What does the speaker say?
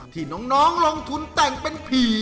ที่น้องลองทุนแต่งเป็นความรัก